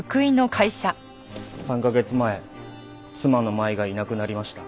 ３カ月前妻の真衣がいなくなりました。